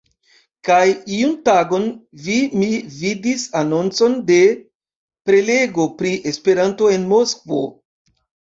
Kaj iun tagon vi mi vidis anoncon de prelego pri Esperanto en Moskvo.